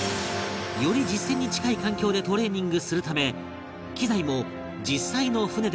より実践に近い環境でトレーニングするため機材も実際の船で使っていたもの